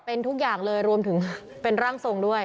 เป็นทุกอย่างเลยรวมถึงเป็นร่างทรงด้วย